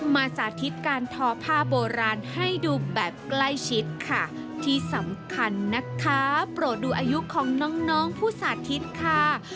สาธิตการทอผ้าโบราณให้ดูแบบใกล้ชิดค่ะที่สำคัญนะคะโปรดดูอายุของน้องน้องผู้สาธิตค่ะ